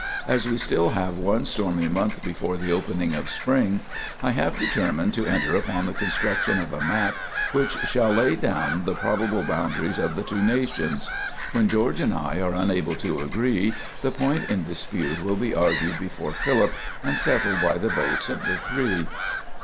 As we still have one stormy month before the opening of spring, I have determined to enter upon the construction of a map which shall lay down the probable boundaries of the two nations. When George and I are unable to agree, the point in dispute will be argued before Philip, and settled by the votes of the three."